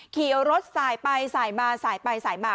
ขี่รถสายไปสายมาสายไปสายมา